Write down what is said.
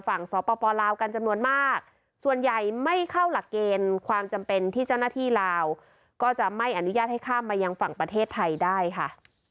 สปลาวกันจำนวนมากส่วนใหญ่ไม่เข้าหลักเกณฑ์ความจำเป็นที่เจ้าหน้าที่ลาวก็จะไม่อนุญาตให้ข้ามมายังฝั่งประเทศไทยได้ค่ะ